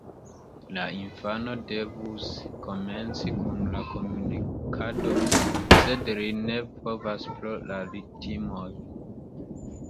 La infano devus komenci kun la komunikado, sed li ne povas pro la timoj.